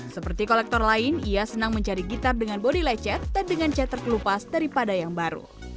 seperti kolektor lain ia senang mencari gitar dengan bodi lecet dan dengan cat terkelupas daripada yang baru